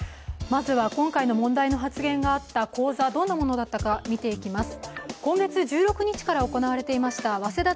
まずは今回の問題の発言があった講座、どんなものだったか見ていきます。